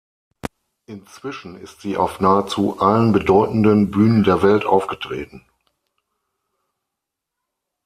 Inzwischen ist sie auf nahezu allen bedeutenden Bühnen der Welt aufgetreten.